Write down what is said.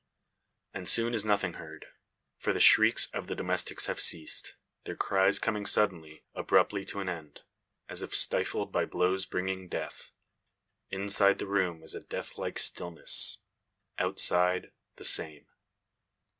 And soon is nothing heard. For the shrieks of the domestics have ceased, their cries coming suddenly, abruptly to an end, as if stifled by blows bringing death. Inside the room is a death like stillness; outside the same.